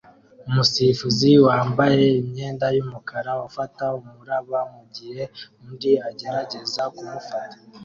Umusifuzi wambaye imyenda yumukara ufata umuraba mugihe undi agerageza kumufata